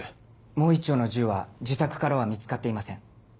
もう１丁の銃は自宅からは見つかっていません。